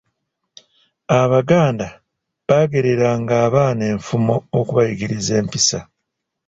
Abaganda baagereranga abaana enfumo okubayigiriza empisa.